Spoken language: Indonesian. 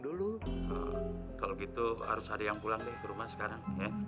kalo gitu harus ada yang pulang ke rumah sekarang